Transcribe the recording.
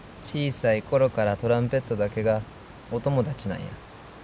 小さい頃からトランペットだけがお友達なんや。